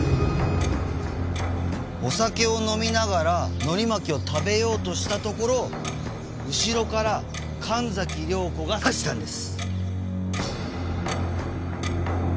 お酒を飲みながらのり巻きを食べようとしたところを後ろから神崎涼子が刺したんです。